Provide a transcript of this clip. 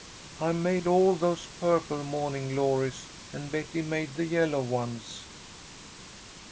I made all those purple mawning glories and Betty made the yellow ones."